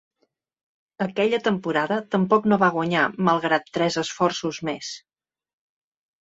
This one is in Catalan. Aquella temporada tampoc no va guanyar malgrat tres esforços més.